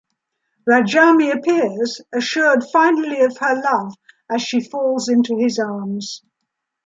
Radjami appears, assured finally of her love, as she falls into his arms.